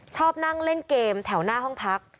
ชอบนั่งเล่นเกมแถวหน้าห้องพัก